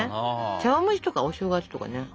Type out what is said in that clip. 茶わん蒸しとかお正月とかね。